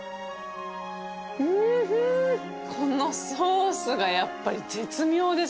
このソースがやっぱり絶妙です。